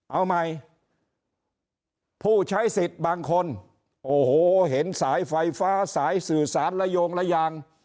เอาใหม่ผู้ใช้สิทธิ์บางคนโอ้โหเห็นสายไฟฟ้าสายสื่อสารระโยงระยาง